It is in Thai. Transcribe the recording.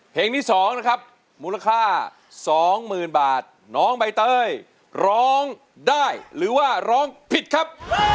เพลงที่๒นะครับมูลค่า๒๐๐๐บาทน้องใบเตยร้องได้หรือว่าร้องผิดครับ